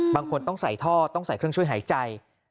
บางคนต้องใส่ท่อต้องใส่เครื่องช่วยหายใจ